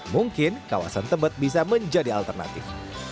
mungkin kawasan tebet bisa menjadi alternatif